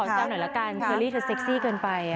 เจ้าหน่อยละกันเชอรี่เธอเซ็กซี่เกินไป